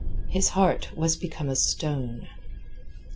His heart was become a stone.